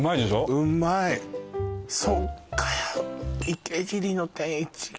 うまいそっか池尻の天一行